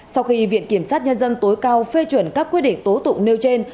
sau khi viện kiểm sát nhân dân tối cao phê chuẩn các quyết định tố tụng nêu trên